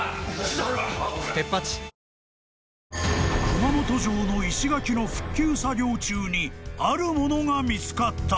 ［熊本城の石垣の復旧作業中にあるものが見つかった］